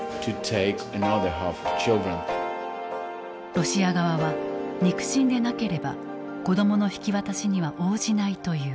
ロシア側は肉親でなければ子どもの引き渡しには応じないという。